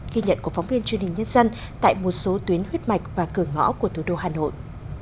ghi nhận của phóng viên truyền hình nhân dân tại một số tuyến huyết mạch và cửa ngõ của thủ đô hà nội